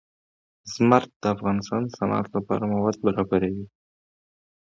زمرد د افغانستان د صنعت لپاره مواد برابروي.